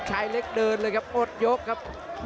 ชายเล็กเดินเลยครับหมดยกครับ